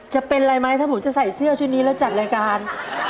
จะเป็นอะไรไหมถ้าผมจะใส่เสื้อชุดนี้แล้วจัดรายการ